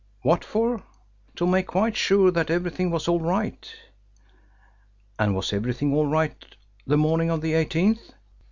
"What for?" "To make quite sure that everything was all right." "And was everything all right the morning of the 18th?"